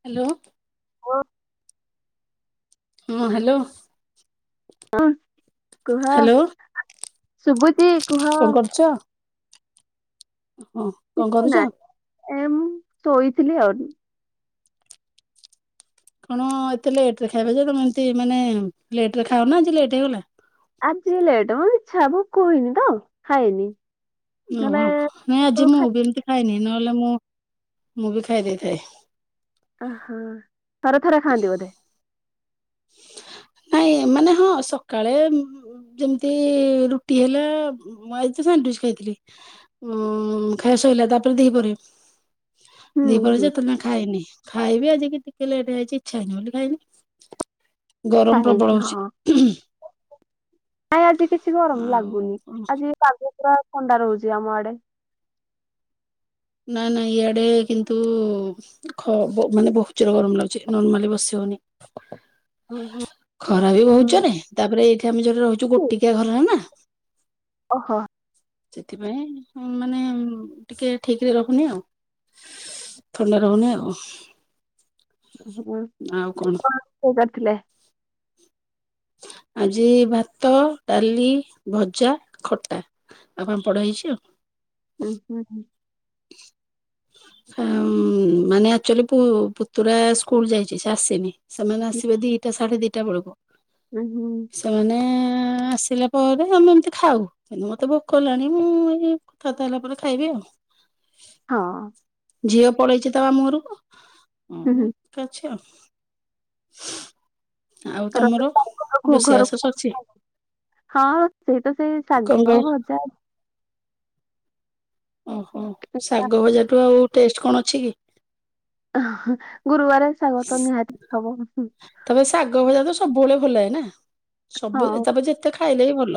Hello. ଓ ହଁ hello. [inaudible] କୁହ, ହ୍ୟାଲୋ ଶୁଭୁଚି? କଣ କରୁଛ? ହଁ କଣ ନା କରୁଚ? ଏ ମୁଁ ଶୋଇଥିଲି ଆଉ। କଣ ଏତେ ଲେଟ ରେ ଖାଇବଯେ ତମେ ଏମତି ମାନେ ଲେଟ ରେ ଖାଇଅନା ଆଜି ଲେଟ୍ ହେଇଗଲା? ଆଜି ଲେଟ୍ ମ ଇଛା ଭୁକ ହେଇନି ତ ଖାଇନି। ଓହୋ ନହେଲେ ନାଇଁ ଆଜି ସବୁ ମୁଁ ଖାଇ ବି ଏମିତି ଖାଇନି। ନହେଲେ ମୁଁ ମୁଁ ବି ଖାଇ ଦେଇଥାଏ। ଅ ହ ଥରେଥରେ ଖାଆନ୍ତିି ବଧେ? ନାଇଁ ମାନେ ହଁ ସକାଳେ ଯେମତି ରୁଟି ହେଲା ମୁ ଆଇ ତ ସାଣ୍ଡୁଇଚ୍ ଖାଇଥିଲି। ଉଁ ଖାଇବା ସଇଲା ତାପରେ ଦିହିପହରେ ହୁଁ ଦିହିପହରେ ହୁଁ ଯେ ଏତୋଳ ଯାଏଁ ଖାଇନି। ଖାଇବି ଆଜି କି ଟିକେ ଲେଟ ହେଇଚି। ଇଚ୍ଛା ହେଇନି ବୋଲି ଖାଇନି। ଗରମ ନାହିଁ ପ୍ରବଳ କି ହଉଛି। ହଁ, ନାଇଁ ଆଜି କିଛି ଗରମ ଲାଗୁନି ଆଉ କଣ ଆଜି ପାଗ ପୁରା ଥଣ୍ଡା ରହୁଚି ଆମ ଆଡ଼େ। ନାଁ ନାଁ ଇଆଡ଼େ କିନ୍ତୁ ଖ ବୋ ମାନେ ବୋହୁତ ଜୋରେ ଗରମ ଲାଗୁଚି ନର୍ମାଲି ବସି ହଉନି। ହୁଁ ହୁଁ ଖରା ବି ବୋହୁତ୍ ଜୋରେ ତାପରେ ଏଇଠି ଆମେ ଯୋଉଠି ରହୁ ଚୁ ହୁଁ ଗୋଟିକିଆ ଘର ହେ ନା। ଓହୋ। ସେଥିପାଇଁ ଉଁ ମାନେ ଟିକେ ଠିକରେ ରହୁନି ଆଉ ଥଣ୍ଡା ରହୁନି ଆଉ। ଆଉ କଣ ହୁଁ- ତିଲେ ଆଜି ଭାତ ଡାଲି ଭଜା ଖଟା ଆଉ ପାମ୍ପଡ ହେଇଚି ଆଉ। ଉଁ ହୁଁ ହୁଁ। ଅ ମାନେ ଆକ୍ଚୁଆଲି ପୁ ପୁତୁରା ସ୍କୁଲ ଯାଇଚି ସେ ଆସିନି। ସେମାନେ ଆସିବେ ଦିଟା ସାଢେ ଦିଟା ବେଳୁକୁ ହୁଁ ହୁଁ ସେମାନେ ଆଁ ଆସିଲା ପରେ ଆମେ ଏମତି ଖାଉ କିନ୍ତୁ ମତେ ଭୋକ ହେଲାଣି ମୁଁ ଏଇ କଥାବାର୍ତ୍ତା ହେଲା ପରେ ଖାଇବି ଆଉ। ହଁ ଝିଅ ପଳେଇଚି ତା ମାମୁଘରୁକୁ ଅ ହୁଁ ମୁଁ ହୁଁ ଏକା ଅଛି ଆଉ। [unintelligible] ରଜ ତମର ତ [inaudible] ରୋଷେଇବାସ ସରିଛି ହଁ ସେଇ ତ ସେଇ କଣ ଶାଗ କହ ଭଜା ଓହୋ ଶାଗ ଭଜାଠୁ ଆଉ ଟେଷ୍ କଣ ଅଛି କି? ଅହଁ ଗୁରୁବାରେ ଶାଗ ତ ନିହାତି ହବ। ସବୁଅଳେ ଭଲ ଲାଗେ ନାଁ। ସବୁ ହଁ ତା ପରେ ଯେତେ ଖାଇଲେ ବି ଭଲ।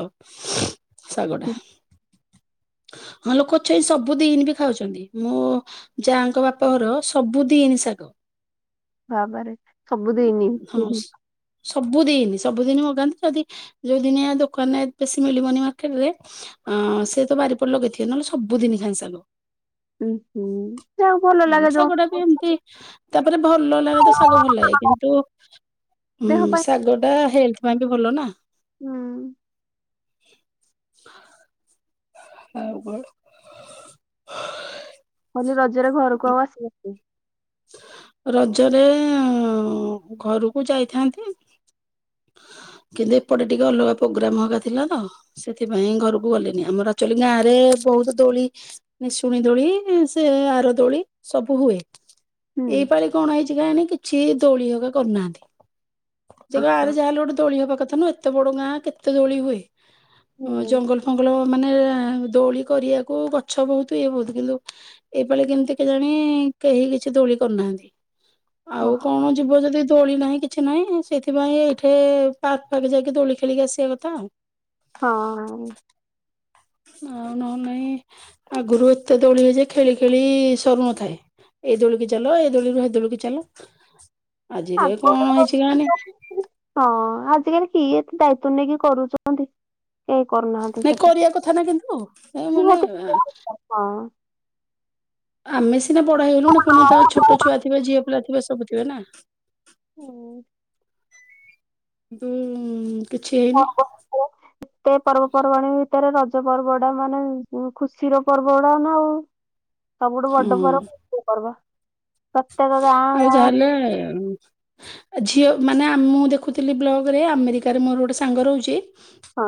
ଶାଗଟା। କି ହଁ ଲୋକ ଅଛଇ ସବୁ ଦିନି ବି ଖାଉଚନ୍ତି ମୋ ଯାଙ୍କ ବାପା ଘର ସବୁ ଦିନି ଶାଗ। ବାବାରେ ସବୁ ଦିଇନି। ସବୁଦିନି ସବୁଦିନି ମଗାନ୍ତି ଯଦି ଯୋଉ ଦିନିଆ ଦୋକାନେ ବେଶୀ ମିଳିବନି ମାର୍କେଟରେ ଅଁ ସେ ତ ବାରିପଟେ ଲଗେଇଥିବେ ନହେଲେ ସବୁଦିନି ଖାଆନ୍ତି ଶାଗ। ଉଁ ହୁଁ ଯାହାକୁ ଭଲ ଲାଗେ ଯୋଉ [inaudible] ରେ ଭଲ ଲାଗେ ତ ଶାଗ ଭଲ ଲାଗେ କିନ୍ତୁ ଉଁ ଦେହ ପାଇଁ ଶାଗଟା ହେ ହେଲଥ ପାଇଁ ବି ଭଲ ନାଁ। ହୁଁ। [inaudible] ଆଉ କଣ? [unintelligible] ନିଜର ଘରକୁ ଆଉ ଆସିବୁକି? ରଜରେ ଘରକୁ ଯାଇଥାନ୍ତି କିନ୍ତୁ ଏପଟେ ଟିକେ ଅଲଗା ପୋଗ୍ରାମ ହରିକା ଥିଲା ତ, ସେଥିପାଇଁ ଘରକୁ ଗଲେନି ଆମର ଆକଚୁଆଲି ଗାଁ ରେ ବହୁତ ଦୋଳି, ନିଶୁଣି ଦୋଳି ସେ ଆର ଦୋଳି ସବୁ ହୁଏ। ଏଇ ହୁଁ। ପାଳି କଣ ହେଇଚି କେ ଆଣେ? ଛି ଦୋଳି ହରିକା କରିନାହାନ୍ତି। ସେ ଓହୋ। ଗାଁରେ ଯାହା ହେଲେ ଗୋଟେ ଦୋଳି ହବା କଥା ନା। କେତେ ବଡ ଗାଁ? କେତେ ଦୋଳି ହୁଏ? ଅ ହୁଁ ଜଙ୍ଗଲ ଫଙ୍ଗଲ। ମାନେ ଦୋଳି କରିବାକୁ ଗଛ ବହୁତ ଇଏ ବହୁତ। କିନ୍ତୁ ଏଇପାଳି କେମିତି କେ ଜାଣି କେହି କିଛି ଦୋଳି କରୁନାହାନ୍ତି। ଓ ଆଉ କଣ ଯିବ ଯଦି ଦୋଳି ନାହିଁ କିଛି ନାହିଁ, ସେଥିପାଇଁ ଏଇଠି ପାର୍କରେ ଯାଇକି ଦୋଳି ଖେଳିକି ଆସିବା କଥା ଆଉ। ହଁ। ଆଉ ନ ହେଲେ ନାଇଁ, ଆଗରୁ ଏତେ ଦୋଳିି ହଏ ଯେ ଖେଳି ଖେଳି ସରୁନଥାଏ। ଏଇ ଦୋଳିିକି ଚାଲ, ଏଇ ଦୋଳିରୁ ଏ ଦୋଳିିକି ଚାଲ। ହଁ, ଆଜିରେ କଣ ହେଇଛି କେଜାଣି ଆଜିକାଲି କି ଏତେ ଦାୟିତ ତୁ ନେଇକି କରୁଚନ୍ତି। ଏ କରିବା କଥା ନା କିନ୍ତୁ ଏ ନିହାତି ମାନେ- ଆମି ସିନା ବଡ ହେଇଗଲୁଣି, ପୁଣି ତ ଛୋଟ ଛୁଆ ଥିବେ, ଝିଅ ପିଲା ଥି ରେ ସବୁଥିବେ ନା। ଉଁ। ଦୁଁ କିଛି ହେଇନି। କଉ ପର୍ବପର୍ବାଣୀ ଭିତରେ ରଜ ପର୍ବଟା ମାନେ ଉଁ ଖୁସିର ପର୍ବ ଗଡା ନା ଆଉ। ସବୁଠୁ ହଁ ବଡ ପର୍ବ [inaudible] ପର୍ବ। ପ୍ରତ୍ୟେକ ଗାଁ ଆଉ ଗାଁ ଯାହେଲେ ଏ ଝିଅ ମାନେ ଆମ ମୁଁ ଦେଖୁଥିଲି ବ୍ଲଗରେ, ଆମେରିକାରେ ମୋର ଗୋଟେ ସାଙ୍ଗ ରହୁଚି। ହାଁ।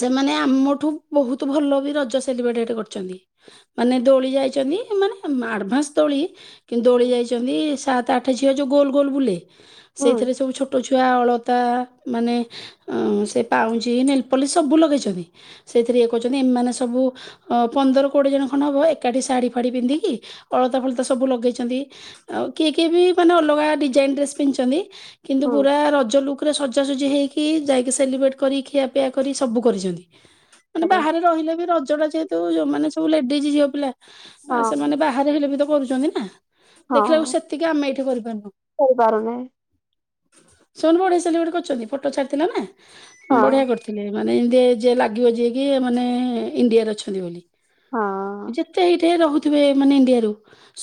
ସେମାନେ ଆମଠୁ ବହୁତ ଭଲ ବି ରଜ ସେଲିବ୍ରେଟ ହେଠେ କରୁଚନ୍ତି ।ମାନେ ଦୋଳି ଯାଇଚନ୍ତି, ମାନେ ଆଡଭାନ୍ସ ଦୋଳି କିନ୍ତୁ ଦୋଳି ହୁଁ। ଯାଇ କି ସାତ ଆଠ ଝିଅ ଯଉ ଗୋଲ ଗୋଲ ବୁଲେ। ହୁଁ ସେଇଥିରେ ସବୁ ଛୋଟ ଛୁ କେ ଅଳତା ମାନେ ଅ ସେ ପାଉଁଜି, ନେଲପଲିସ ସବୁ ଲଗେଇଚନ୍ତି। ସେଇଥିରେ ଇଏ କହୁଚନ୍ତି, ଏମାନେ ସବୁ ପନ୍ଦର କୋଡ଼ିଏ ଜଣ ଖଣ୍ଡ ହେବ ଏକାଠି ଶାଢ଼ୀଫାଢ଼ୀ ପିନ୍ଧିକି ଅଳତା ଫଳତା ସବୁ ଲଗେଇଚନ୍ତି। ଆଉ କିଏ କିଏ ବି ମାନେ ଅଲଗା ଡିଜାଇନ୍ ଡ୍ରେସ୍ ପିନ୍ଧଛନ୍ତି। କିନ୍ତୁ ହୁଁ ପୁରା ରଜ ଲୁକ୍ ରେ ସଜାସଜି ଯିଏ ହେଇକି ଯାଇକି ସେଲିବ୍ରେଟ୍ କରି ଖିଆପିଆ କରି ସବୁ କରିଚନ୍ତି। ମାନେ କରେ ବାହାରେ ରହିଲେ ବି ରଜ ଟା ଯେହେତୁ ଯୋଉମାନେେ ସବୁ ଲେଡିସି ଯୋ ଉଲା ହଁ ସେମାନେ ବାହାରେ ହେଲେ ବିତ କରୁଚନ୍ତି ନା। ହଁ ଦେଖିଲାକୁ ସେତିକି ଆମେ ଏଇଠି କରିପାରୁନୁ। କରିପାରୁନି ସେମାନେ ବଢ଼ିଆ ସେଲିବ୍ରେଟ କରିଚନ୍ତି ଫଟୋ ଛାଡ଼ିଥିଲା ନା। ହଁ। ବଢିଆ କରିଥିଲେ। ମାନେ ଏମିତି ଯେ ଲାଗିବ ଯିଏ କି ମାନେ ଇଣ୍ଡିଆରେ ଅଛନ୍ତି ବୋଲି। ହଁ ଯେତେ ହେଇଠେ ରହୁ ଥିବେ ମାନେ ଇଣ୍ଡିଆରୁ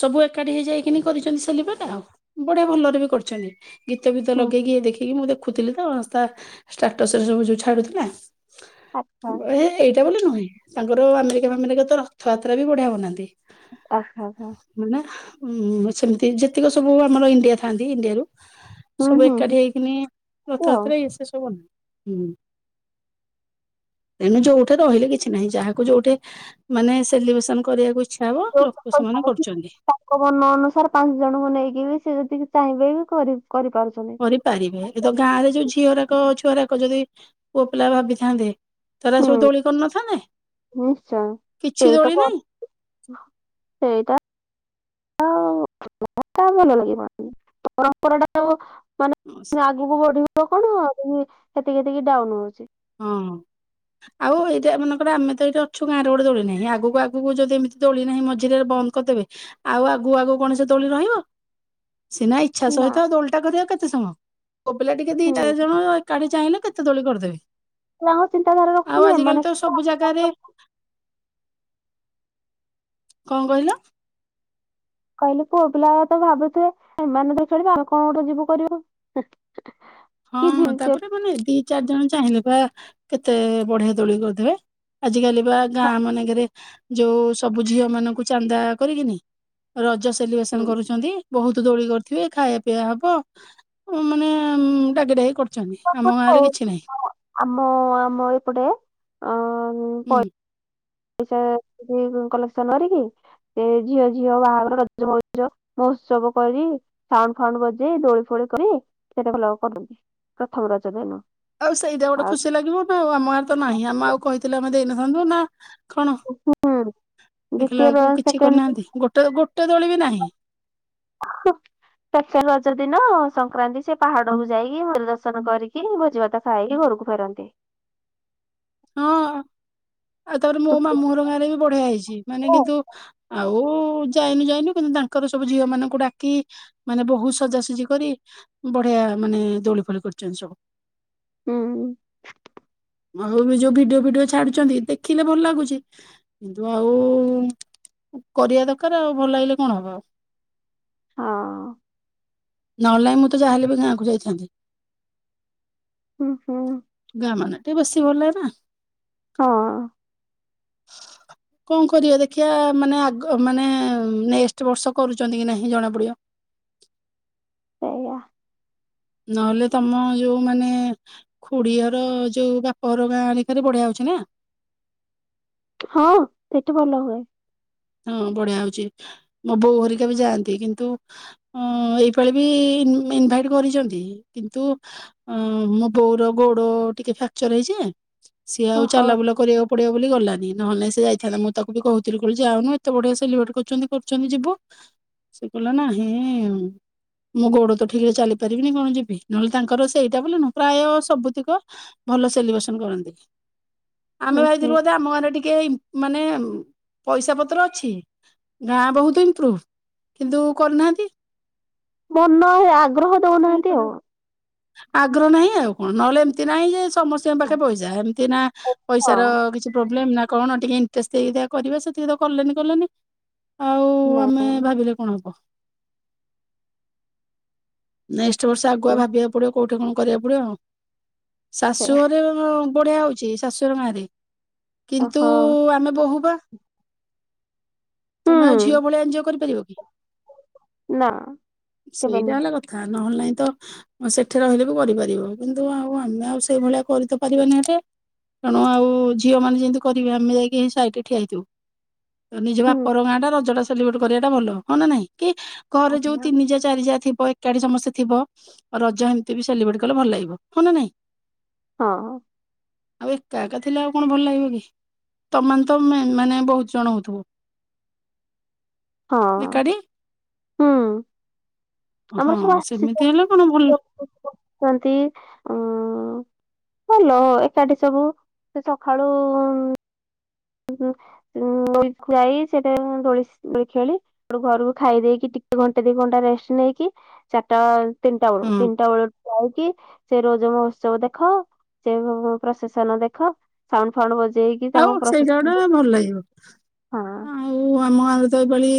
ସବୁ ଏକାଠି ହେଇଯାଇ କେମି କରିଚନ୍ତି ସେଲିବ୍ରେଟ, ଆଉ ବଢିଆ ଭଲରେ ବି କରିଛନ୍ତି। ଗୀତ ଫିତ ହୁଁ ଲଗେଇକି ଇଏ ଦେଖିକି ମତେ ଦେଖିଥିଲି ତ ତା ଷ୍ଟାଟସରେ ସବୁ ଯଉ ଛାଡୁଥିଲା। ଆଚ୍ଛା ହେ ହେଇଟା ବୋଲି ନୁହଁ ତାଙ୍କର ଆମେରିକା ଫାମେରିକା ତ ରଥଯାତ୍ରା ବି ବଢିଆ ହଉନାହାନ୍ତି। ଓ ହ ହ। ହୁଁ ସେମିତି ଯେତିକି ସବୁ ଆମର ଇଣ୍ଡିଆ ଥାଆନ୍ତି ଇଣ୍ଡିଆରୁ ହୁଁ ସବୁ ହୁଁ ଏକାଠି ଏମିତି ହେଇକିନି ଆଉ। ରଥଯାତ୍ରା ଏସ ସବୁ ହୁଁ ତେଣୁ ଯୋଉଠି ରହିଲେ କିଛି ନାହିଁ ଯାହାକୁ ଯୋଉଠି ମାନେ ସେଲିବ୍ରେସନ କରିବାକୁ ଇ ଇଛା ହବ ଯୋଉ ଲୋକ ସେମାନେ ଜାଣିଥିବେ କରୁଛନ୍ତି। ତାଙ୍କ ମନ ଅନୁସାରେ ପାଞ୍ଚ ଜଣଙ୍କୁ ନେଇକି ହି ସେ ଯଦିକି ଚାହିଁବେ ବି କରି କରିପାରୁଛନ୍ତି। କରିପାରିବେ ଏ ତ ଗାଁ ରେ ଯୋଉ ଝିଅରାକ ଛୁଆରା ଯଦି ପୁଅ ପିଲା ଭାବିଥାନ୍ତେ। ସେରା ସବୁ ହୁଁ ଦୋଳିି କରିନଥାନ୍ତେ। ନିଶ୍ଚୟ କିଛି ସେଇଟା ଦୋଳି ନାହିଁ ସେଇଟା ଭଲ ଲାଗିବ ପରମ୍ପରା ଟା ମାନେ ଆଗକୁ ବଢିବ କଣ ଆହୁରି ସେତିକି ସେତିକି ଡାଉନ୍ ହଉଛି। ହଁ ଆଉ ଏଇଟା ମନେକର ଆମେ ତ ଏଇଟି ଅଛୁ ଗାଁରେ ଗୋଟେ ଦୋଳି ନାହିଁ ଆଗକୁ ଆଗକୁ ଯଦି ଏମିତି ଦୋଳି ନାହିଁ ମଝିରେ ବନ୍ଦ କରିଦେବେ ଆଉ ଆଗୁ ଆଗୁ କୌଣସି ଦୋଳି ରହିବ। ସିନା ଇଚ୍ଛା ନା ସହିତ ଆଉ ଦୋଳିଟା କରିବା କେତେ ସମ ପୁଅ ପିଲା ଟିକେ ଦି ହୁଁ ଚାରି ଜଣ ଏକାଠି ଚାହିଁଲେ କେତେ ଦୋଳି କରିଦେବେ। ଯାହା ଚିନ୍ତାଧାରା ଆଉ ରଖୁଛନ୍ତି ଆଜିକାଲି ଏମାନେ। ତ ସବୁ ଜାଗାରେ କଣ କହିଲ? କହିଲି ପୁଅପିଲା ତ ଭାବୁଥିବେ ଏମାନେ ତ ଖେଳିବେ ଆଉ କଣ ଗୋଟେ ଯିବୁ କରିବୁ। ହଁ ତାପରେ ମାନେ ଦି ଚାରି ଜଣ। ଚାହିଁଲେ ପା କେତେ ବଢିଆ ଦୋଳି କରିଦେବେ ଆଜିକାଲି। [inaudible] ଗାଁଆ ମାନେଙ୍କରେ ଯୋଉ, ସବୁ ଝିଅମାନଙ୍କୁ ଚାନ୍ଦା କରିକିନି ରଜ। ସେଲିବ୍ରେସନ୍ କରୁଛନ୍ତି। ବହୁତ ଦୋଳି କରିଥିବେ ଖାଇବା ପିଇବା ହବ ମାନେ [unintelligible] ଆମ ଗାଁରେ କିଛି ନାହିଁ [inaudible] ଆମ ଆମ ଏପଟେ। ଅ ହୁଁ। ପଇସା [inaudible] କଲେକ୍ସନ୍ କରିକି ସେ ଝିଅ ଝିଅ ବାହାଘର ରଜ ମଉଜ ମହୋତ୍ସବ କରି ସାଉଣ୍ଡଫାଉଣ୍ଡ ବଜେଇ ଦୋଳିଫୋଳି କରି କେତେ ଭଲ କରନ୍ତି ପ୍ରଥମ ରଜ ଦିନ। ଆଉ ସେଇଟା ଗୋଟେ ଆଉ ଖୁସି ଲାଗିବ ନା ଆମ ଗାଁଆରେ ତ ନାହିଁ ଆମେ ଆଉ କହିଥିଲେ ଆମେ ଦେଇନ ଥାନ୍ତୁ ନା କଣ ହୁଁ, ଦେଖିଲା ଦ୍ଵିତୀୟର ବେଳକୁ କିଛି ସେକେଣ୍ଡ୍, କରିନାହାନ୍ତି ଗୋଟେ ଗୋଟେ ଦୋଳି ବି ନାହିଁ ହୁଁ ସେକେଣ୍ଡ ରଜ ଦିନ ସଂକ୍ରାନ୍ତି ସେ ପାହାଡକୁୁ ଯାଇକି ମନ୍ଦିର ଦର୍ଶନ କରିକି ଭୋଜିଭାତ ଖାଇକି ଘରକୁ ଫେରନ୍ତି। ହଁ ଆଉ ତାପରେ ମୋ ମାମୁଁ ଘର ଗାଁରେ ବି ବଢିଆ ହେଇଛି, ମାନେ ହୁଁ କିନ୍ତୁ ଆଉଉଉ ଯାଇନୁ ଯାଇନୁ କିନ୍ତୁ ତାଙ୍କର ସବୁ ଝିଅମାନଙ୍କୁ ଡାକି ମାନେ ବହୁ ସଜାସଜି କରି ବଢିଆ ମାନେ ଦୋଳିଫୋଳି କରିଛନ୍ତି ସବୁ। ହୁଁ [inaudible] ଯୋଉ ଭିଡିଓଫିଡିଓ ଛାଡୁଛନ୍ତି ଦେଖିଲେ ଭଲ ଲାଗୁଛି, କିନ୍ତୁ ଆଉ କରିବା ଦରକାର ଆଉ ଭଲ ଲାଗିଲେ କଣ ହବ ଆଉ। ହଁ ନହେଲେ ନାଇଁ ମୁଁ ତ ଯାହାହଲେ ବି ଗାଁଆକୁ ଯାଇଥାନ୍ତି। ହୁଁ ହୁଁ। ଗାଁ ମାନେ ଟିକେ ବେଶୀ ଭଲ ନା। ହଁ କଣ କରିବା ଦେଖିବା ମାନେ ଆଗ ମାନେ ନେକ୍ସଟ୍ ବର୍ଷ କରୁଛନ୍ତି କି ନାହିଁ ଜଣା ପଡିବ। ସେଇଆ ନହେଲେ ତମ ଯୋଉ ମାନେ ଖୁଡ଼ି ଘର ଯୋଉ ବାପଘର ଗାଁଆ ଆଡିକରେ ବଢିଆ ହଉଛି ନା। ହଁ ସେଠି ଭଲ ହୁଏ। ହଁ ବଢିଆ ହଉଛି, ମୋ ବୋଉ ହରିକା ବି ଯାଆନ୍ତି କିନ୍ତୁ ଏଇପାଳି ବି ଇନଭାଇଟ୍ କରିଛନ୍ତି କିନ୍ତୁ ଉଁ ଉଁ ମୋ ବୋଉର ଗୋଡ ଟିକେ ଫ୍ୟାକ୍ଚର୍ ହେଇଛି ନା। ସିଏ ଆଉ ଓହୋ ଚାଲାବୁଲା କରିବା ପଡିବ ବୋଲି ଗଲାନି, ନହେଲେ ସେ ଯାଇଥାନ୍ତା ମୁଁ ତାକୁ ବି କହୁଥିଲି କୁଲ୍ ଯାଉନୁ ଏତେ ବଢିଆ ସେଲିବ୍ରେଟ୍ କରୁଛନ୍ତି କରୁଛନ୍ତି ଯିବୁ, ସେ କହିଲା ନାହିଁଇଇ ମୁଁ ଗୋଡ ତ ଠିକରେ ଚାଲିପାରିବିନି କଣ ଯିବି ନହେଲେ ତାଙ୍କର ସେଇଟା ବୋଲି ନୁହଁ ପ୍ରାୟ ସବୁତିକ ଭଲ ସେଲିବ୍ରେସନ୍ କରନ୍ତି। ହୁଁ ଆମେ ହୁଁ ଭାବିଥିଲୁ ବୋଧେ ଆମ ଗାଁରେ ଟିକେ। [inaudible] ମାନେ ପଇସା ପତ୍ର ଅଛି ଗାଁ ବହୁତ ଇମମ୍ପ୍ରୁ ଭ କିନ୍ତୁ କରିନାହାନ୍ତି। ବନ ନ ଆଗ ଗ୍ରହ ଦଉନାହାନ୍ତି ଆଉ। ଆଗ୍ର ନାହିଁ ଆଉ କଣ ନହେଲେ ଏମିତି ନାହିଁ ଯେ ସମସ୍ତଙ୍କ ପାଖେ ପଇସା ଏମିତି ନା ହଁ ପଇସାର କିଛି ପ୍ରୋବ୍ଲେମ ନା କଣ ଟିକେ ଇଣ୍ଟରେଷ୍ଟ ହେଇକି କରିବା ସେତିକି ତ କଲେନି କଲେନି ଆଉ ଆମେ ନାଇଁ ଭାବିଲେ କଣ ହବ। ନଇ ଚୋର୍ସ ଆଗୁଆ ହୁଁ ଭାବିବାକୁ ପଡିବ। କଉଠି କଣ କରିବାକୁ ପଡିବ ଆଉ। [inaudible] ଶାଶୁ ସେଇଆ ଘରେ ବଢିଆ ହଉଛି ଶାଶୁୁର ଘର ଗାଁ ରେ। କିନ୍ତୁ ହଁ ଆମେ ବୋହୂ ବା ହୁଁ ତମେ ଆଉ ଝିଅ ଭଳିଆ ଏଞଜୟ କରିପାରିବ। କି? ନା କେବେ ସେଇଟା ନୁହେଁ। ହେଲା କଥା ନହେଲେ ନାହିଁ ତ ସେଠି ରହିଲେ ବି କରିପାରିବ କିନ୍ତୁ ଆଉ ଆମେ ଆଉ ସେଇଭଳିଆ କରି ତ ପାରିବାନି ହେଟେ ତେଣୁ ଆଉ ଝିଅ ମାନେ ଯେମିତି କରିବେ ଆମେ ଯାଇକି ସାଇଟରେ ଠିଆହେଇଥିବୁ। ତ ନିଜ ହୁଁ ବାପର ଗାଁ ଟା ରଜଟା ସେଲିବ୍ରେଟ୍ କରିବାଟା ଭଲ ହଁ ନା ନାଇଁ। କି ଘରେ ଯୋଉ ତିନି ଯା ଚାରି ଯା ଥିବ ଏକାଠି ସମସ୍ତେ ଥିବ ରଜ ଏମିତି ବି ସେଲିବ୍ରେଟ କଲେ ଭଲ ଲାଗିବ ହଁ ନା ନାଇଁ। ହଁ। ଆଉ ଏକା ଏକା ଥିଲେ ଆଉ କଣ ଭଲ ଲାଗିବ କି ତମେ ମାନେ ତ ମେନ୍ ମେନ୍ ବହୁତ ଜଣ ହଉଥିବ। ହଁ ଏକାଠି ହୁଁ। [inaudible] ଆମର ହଁ ସବୁ ସେମିତି ହେଲେ କଣ ଭଲ ଆସିଛନ୍ତି [unintelligible] ଉଁ ଭଲ ଏକାଠି ସବୁ ସେ ସଖାଳୁ ଯାଇ ସେଟା ଦୋଳି ଖେଳି ଗୋଟେ ଘରକୁ ଖାଇ ଦେଇକି ଟିକେ ଘଣ୍ଟା ଦି ଘଣ୍ଟା ରେଷ୍ଟ ନେଇକି ଚାରିଟା ତିନିଟା ବେଳୁ ହଁ ତିନିଟା ବେଳ ଯାଇକି ସେ ରୋଜ ମହୋତ୍ସବ ଦେଖ ସେ ପ୍ରସେସନ ଦେଖ ସାଉଣ୍ଡ ଫାଉଣ୍ଡ ବଜ୍- ଦେଇକି ତାଙ୍କ ପ୍ରସେସ୍ ଟା ଭଲ ଲାଗିବ ଆଉ ଆମ ଗାଆଁ ରେ ତ ଏ ପାଳି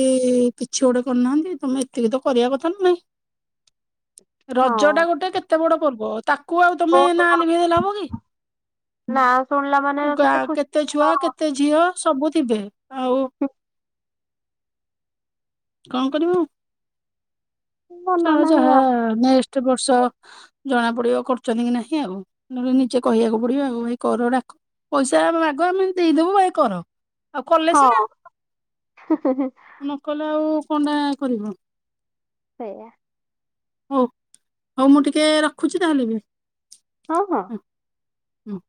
କିଛି ଗୋଟେ କରୁନାହାନ୍ତି ତମେ ଏତିକି ତ କରିବା କଥା ନା ନାଇଁ। ହଁ ରଜ ଟା ଗୋଟେ କେତେ ବଡ ପର୍ବ ତାକୁ ଆଉ ତମେ ବହୁତ ନାଁ ଲିଭେଇଦେଲେ ହବ କି ନା ଶୁଣିଲା ମାନେ ଗା ଖୁସି କେତେ ଛୁଆ କେତେ ଝିଅ? ସବୁ ଥିବେ। ଆଉ ହଁ, କଣ କରିବୁ? ମନ ଚାହ ନାହିଁ ଯାହା ଆଉ ନେକ୍ସଟ ବର୍ଷ ଜଣା ପଡିବ କରୁଛନ୍ତି କି ନାହିଁ ଆଉ, ନହେଲେ ନିଜେ କହିବାକୁ ପଡିବ ଆଉ ଏଇ କରଡ଼ା କୁ ପଇସା ଆଗ ଆମେ ଦେଇଦବୁ ଭାଇ କର । ଆଉ କଲେ ସିନା, ହଁ ନ କଲେ ଆଉ କଣ୍ଟା କରିବ ଏଇଆ ହଉ, ହଉ ମୁଁ ଟିକେ ରଖୁଛି ତାହେଲେ ବି ହଁ ହଁ ହମ